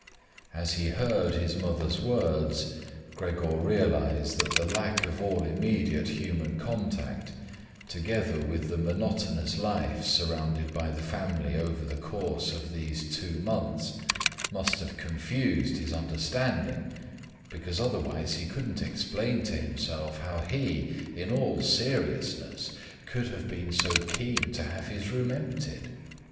As he heard his mother's words Gregor realized that the lack of all immediate human contact, together with the monotonous life surrounded by the family over the course of these two months, must have confused his understanding, because otherwise he couldn't explain to himself how he, in all seriousness, could have been so keen to have his room emptied.